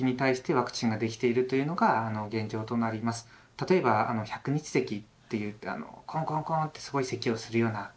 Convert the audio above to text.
例えば「百日せき」といってコンコンコンってすごいせきをするような病気ですね。